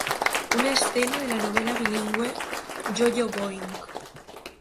Una escena de la novela bilingüe, Yo-Yo Boing!